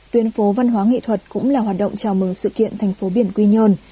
tuyến phố văn hóa nghệ thuật cũng là hoạt động chào mừng sự kiện tp biển quy nhơn